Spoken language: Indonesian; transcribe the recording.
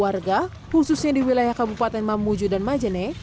warga khususnya di wilayah kabupaten mamuju dan majene